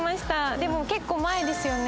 でも結構前ですよね。